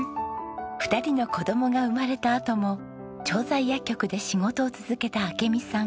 ２人の子供が生まれたあとも調剤薬局で仕事を続けた明美さん。